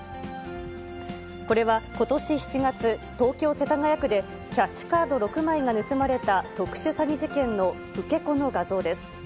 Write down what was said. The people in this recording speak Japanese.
これはことし７月、東京・世田谷区で、キャッシュカード６枚が盗まれた特殊詐欺事件の受け子の画像です。